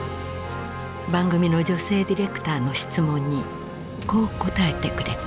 番組の女性ディレクターの質問にこう答えてくれた。